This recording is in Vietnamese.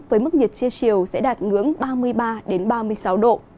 với mức nhiệt chưa chiều sẽ đạt ngưỡng ba mươi ba đến ba mươi sáu độ